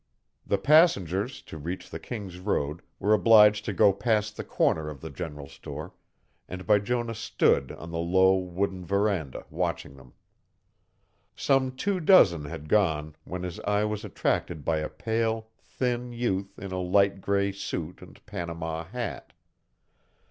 The passengers, to reach the King's Road, were obliged to go past the corner of the general store, and Bijonah stood on the low, wooden veranda, watching them. Some two dozen had gone when his eye was attracted by a pale, thin youth in a light gray suit and Panama hat.